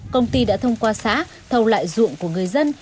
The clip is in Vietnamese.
công ty đã thông qua xã thầu lại ruộng của người dân